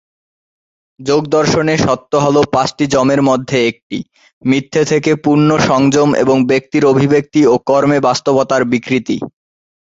যোগ দর্শনে, সত্য হল পাঁচটি যমের মধ্যে একটি, মিথ্যা থেকে পুণ্য সংযম এবং ব্যক্তির অভিব্যক্তি ও কর্মে বাস্তবতার বিকৃতি।